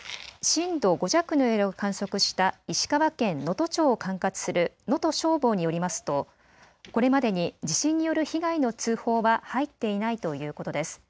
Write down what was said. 震度５弱の揺れを観測した石川県能登町を管轄する能登消防によりますとこれまでに地震による被害の通報は入っていないということです。